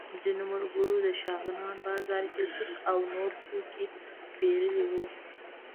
ځینو ملګرو د شغنان بازار کې توت او نور توکي پېرلي وو.